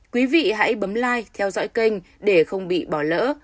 quý vị hãy bấm lai theo dõi kênh để không bị bỏ lỡ